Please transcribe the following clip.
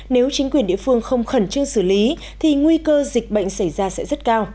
nếu chính quyền địa phương không khẩn trương xử lý thì nguy cơ dịch bệnh xảy ra sẽ rất cao